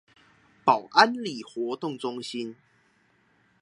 寶安里活動中心